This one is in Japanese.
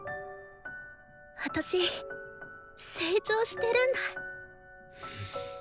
私成長してるんだ。